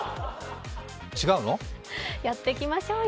やってきましょうよ。